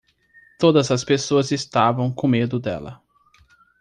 Todas as pessoas estavam com medo dela.